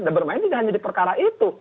dan bermain itu tidak hanya di perkara itu